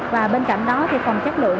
và bên cạnh đó thì còn chất lượng